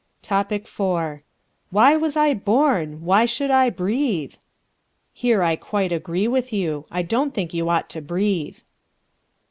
Topic IV. "Why was I born? Why should I breathe?" Here I quite agree with you. I don't think you ought to breathe.